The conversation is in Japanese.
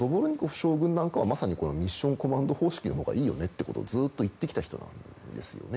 将軍なんかはミッションコマンド方式のほうがいいよねってずっと言ってきた人なんですよね。